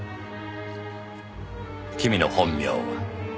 君の本名は？